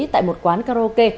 tại một quán karaoke